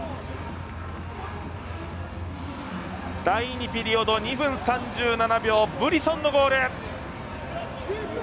第２ピリオド、２分３７秒ブリソンのゴール。